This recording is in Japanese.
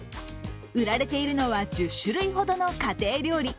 売られているのは１０種類ほどの家庭料理。